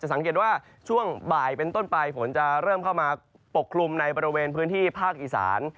สังเกตว่าช่วงบ่ายเป็นต้นไปฝนจะเริ่มเข้ามาปกคลุมในบริเวณพื้นที่ภาคอีสาน